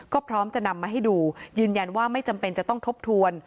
ก็พร้อมจะนำมาให้ดูยืนยันว่าไม่จำเป็นจะต้องทบทวน